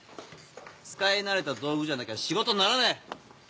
使い慣れた道具じゃなきゃ仕事にならねえ！